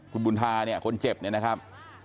คุณบุญธาเนี่ยคนเจ็บเนี่ยนะครับ